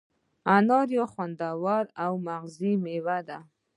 انار یو خوندور او مغذي مېوه ده.